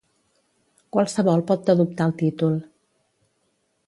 Qualsevol pot adoptar el títol.